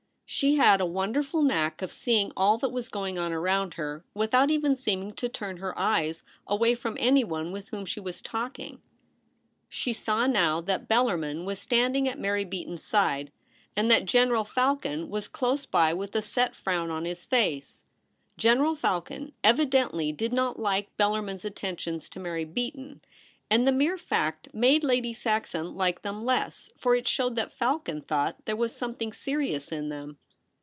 She had a wonderful knack of seeing all that was going on around her without even seeming to turn her eyes away from anyone with whom she was talk ing. She saw now that Bellarmin was standing at Mary Beaton's side, and that General THE BOTHWELL PART. 275 Falcon was close by with a set frown on his face. General Falcon evidently did not like Bellarmin's attentions to Mary Beaton ; and the mere fact made Lady Saxon like them less, for it showed that Falcon thought there was something serious in them.